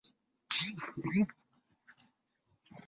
同年十月派在大门当差。